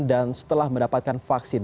dan setelah mendapatkan vaksin